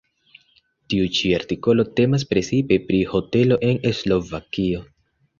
Tiu ĉi artikolo temas precipe pri hotelo en Slovakio.